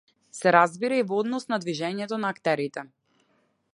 Се разбира, и во однос на движењето на актерите.